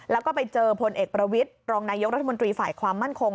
แล้วก็ไปเจอพลเอกประวิทย์รองนายกรัฐมนตรีฝ่ายความมั่นคง